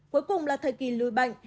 cuối cùng là thời kỳ lùi bệnh